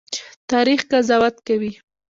تاریخ قضاوت کوي